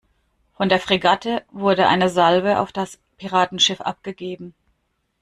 Von der Fregatte wurde eine Salve auf das Piratenschiff abgegeben.